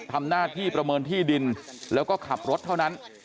ทำหน้าที่ประเมินที่ดินแล้วก็ขับรถเท่านั้น